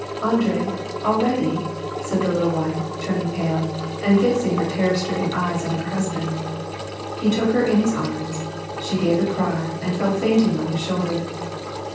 " Andre, already ?" said the little wife, turning pale, and fixing her terror stricken eyes on her husband. He took her in his arms : she gave a cry, and fell fainting on his shoulder.